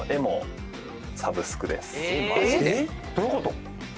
どういうこと？